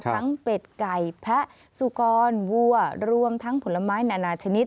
เป็ดไก่แพะสุกรวัวรวมทั้งผลไม้นานาชนิด